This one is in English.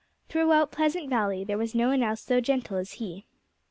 Throughout Pleasant Valley there was no one else so gentle as he.